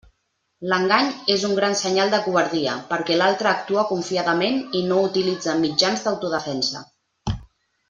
L'engany és un gran senyal de covardia, perquè l'altre actua confiadament i no utilitza mitjans d'autodefensa.